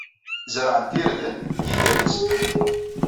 Zerɛent irden deg yiger-nsent.